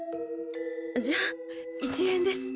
じゃあ１円です。